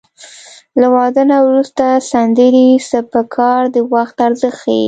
له واده نه وروسته سندرې څه په کار د وخت ارزښت ښيي